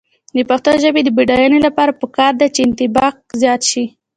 د پښتو ژبې د بډاینې لپاره پکار ده چې انطباق زیات شي.